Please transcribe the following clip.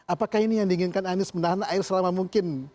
apakah ini yang diinginkan anies menahan air selama mungkin